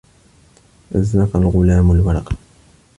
مَزَّقَ الْغُلاَمُ الْوَرَقَ.